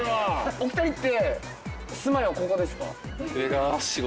お二人って住まいはここですか？